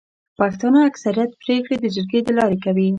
پښتانه اکثريت پريکړي د جرګي د لاري کوي.